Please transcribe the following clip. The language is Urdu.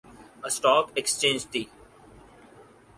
اسٹاک ایکسچینجتی